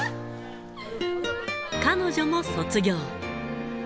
彼女も卒業。